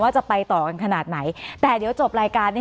จะไปต่อกันขนาดไหนแต่เดี๋ยวจบรายการนี้